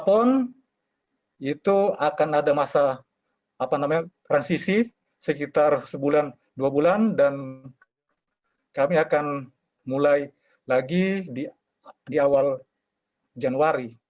pon itu akan ada masa transisi sekitar sebulan dua bulan dan kami akan mulai lagi di awal januari